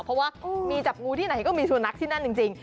เพราะว่ามีจับงูที่ไหนก็มีสุนัขที่นั่นจริง